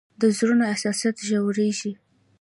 د زړونو احساسات ژورېږي